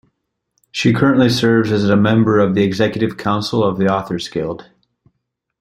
She currently serves as a member of the executive council of the Authors Guild.